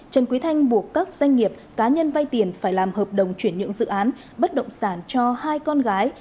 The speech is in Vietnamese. trần quý thanh buộc các doanh nghiệp cá nhân vay tiền phải làm hợp đồng chuyển nhượng dự án bất động sản cho hai con gái